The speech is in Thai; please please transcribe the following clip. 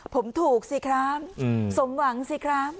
ผมถูกสิครับสมหวังสิครับ